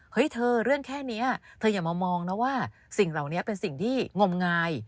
เธอเรื่องแค่นี้เธออย่ามามองนะว่าสิ่งเหล่านี้เป็นสิ่งที่งมงาย